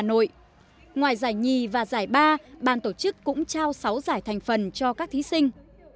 ngoài giải nhì và giải ba ban tổ chức cũng trao sáu giải thành phần cho các thí sinh